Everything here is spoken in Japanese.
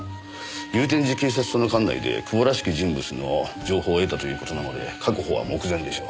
祐天寺警察署の管内で久保らしき人物の情報を得たという事なので確保は目前でしょう。